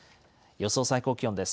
予想最高気温です。